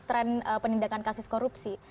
trend penindakan kasus korupsi